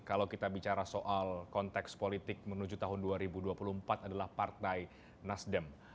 kalau kita bicara soal konteks politik menuju tahun dua ribu dua puluh empat adalah partai nasdem